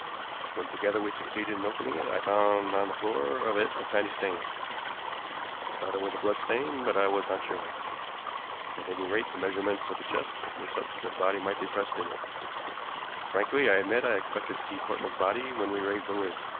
When together we succeeded in opening it I found on the floor of it a tiny stain. I thought it was a blood stain, but I was not sure. At any rate, the measurements of the chest were such that a body might be pressed in it. Frankly, I admit I expected to see Portman's body when we raised the lid.